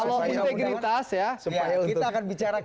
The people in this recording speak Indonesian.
kalau integritas ya kita akan bicara